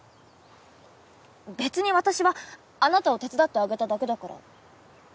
別に私はあなたを手伝ってあげただけだから。